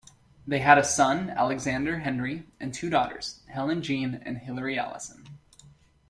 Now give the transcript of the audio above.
They had a son, Alexander Henry, and two daughters, Helen Jean and Hilary Alison.